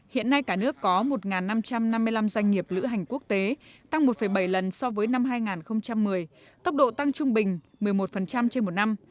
hiện nay cả nước có một năm trăm năm mươi năm doanh nghiệp lữ hành quốc tế tăng một bảy lần so với năm hai nghìn một mươi tốc độ tăng trung bình một mươi một trên một năm